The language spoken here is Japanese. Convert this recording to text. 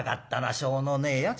しょうのねえやつだ